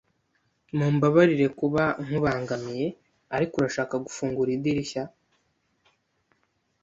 Mumbabarire kuba nkubangamiye, ariko urashaka gufungura idirishya?